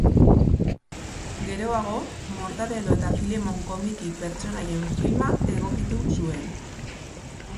Geroago Mortadelo eta Filemon komiki pertsonaien filma egokitu zuen.